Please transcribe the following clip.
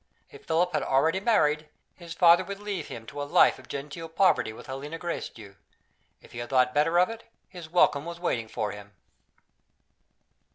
If Philip had already married, his father would leave him to a life of genteel poverty with Helena Gracedieu. If he had thought better of it, his welcome was waiting for him.